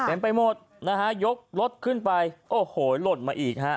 ไปหมดนะฮะยกรถขึ้นไปโอ้โหหล่นมาอีกฮะ